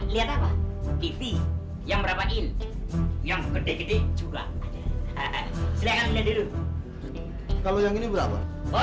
lihat apa tv yang berapa il yang gede gede juga ada